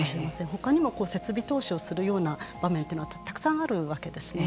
他にも設備投資をするような場面というのはたくさんあるわけですね。